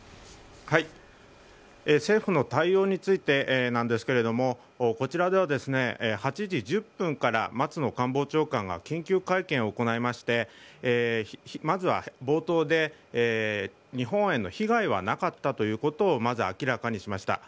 政府の対応についてなんですけれどもこちらでは８時１０分から松野官房長官が緊急会見を行いましてまずは冒頭で日本への被害はなかったということをまず明らかにしました。